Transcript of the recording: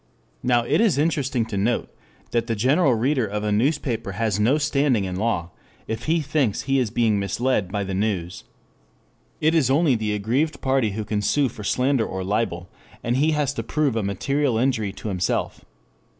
Now it is interesting to note that the general reader of a newspaper has no standing in law if he thinks he is being misled by the news. It is only the aggrieved party who can sue for slander or libel, and he has to prove a material injury to himself.